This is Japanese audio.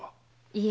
いえ。